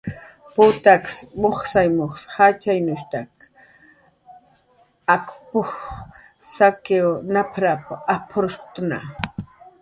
"Putak mujsay mujs jatxyanushtaki, acx p""uj saki nap""r ap""urktna"